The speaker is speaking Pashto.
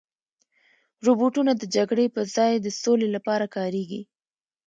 روبوټونه د جګړې په ځای د سولې لپاره کارېږي.